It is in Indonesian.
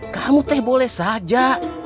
kamu teh boleh saja